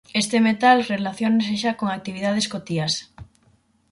Este metal relaciónase xa con actividades cotiás.